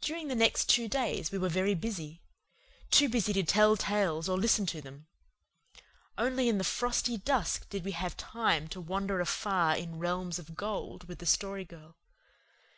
During the next two days we were very busy too busy to tell tales or listen to them. Only in the frosty dusk did we have time to wander afar in realms of gold with the Story Girl.